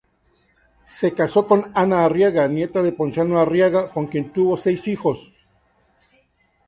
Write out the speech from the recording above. Se casó con Ana Arriaga —nieta de Ponciano Arriaga—, con quien tuvo seis hijos.